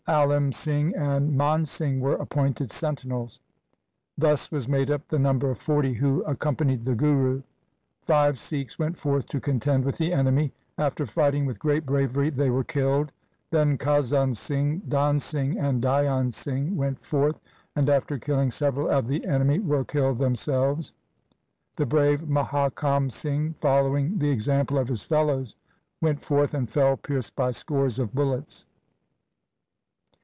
Alim Singh and Man Singh were appointed sentinels. Thus was made up the number of forty who accom panied the Guru. Five Sikhs went forth to contend with the enemy. After fighting with great bravery they were killed. Then Khazan Singh, Dan Singh, and Dhyan Singh went forth, and after killing several of the enemy, were killed themselves. The brave Muhakam Singh, following the example of his fellows, went forth and fell pierced by scores of bullets.